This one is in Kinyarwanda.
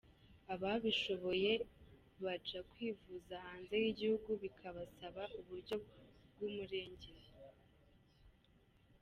Ababishoboye baja kwivuza hanze y'igihugu bikabasaba uburyo bw'umurengera.